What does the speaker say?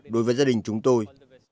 đối với gia đình chúng tôi